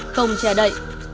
không che đậy